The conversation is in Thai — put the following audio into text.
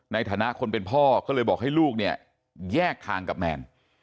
ในฐานะคนเป็นพ่อก็เลยบอกให้ลูกเนี่ยแยกทางกับแมน